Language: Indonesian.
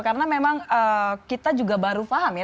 karena memang kita juga baru paham ya